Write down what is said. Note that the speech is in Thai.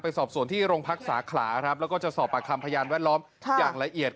สอบส่วนที่โรงพักสาขาครับแล้วก็จะสอบปากคำพยานแวดล้อมอย่างละเอียด